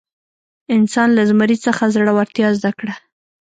انسان له زمري څخه زړورتیا زده کړه.